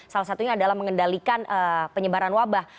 salah satunya adalah mengendalikan penyebaran wabah